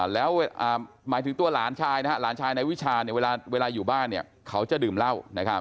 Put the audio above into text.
แล้วหมายถึงตัวหลานชายหลานชายนายวิชาเวลาอยู่บ้านเขาจะดื่มเหล้า